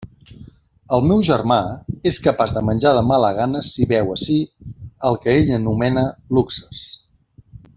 El meu germà és capaç de menjar de mala gana si veu ací el que ell anomena luxes.